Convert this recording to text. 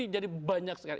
jadi banyak sekali